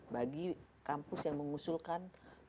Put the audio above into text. bagi kampus yang mengusulkan